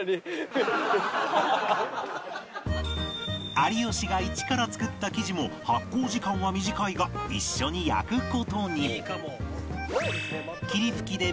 有吉が一から作った生地も発酵時間は短いが一緒に焼く事に